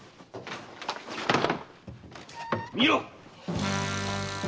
見ろ！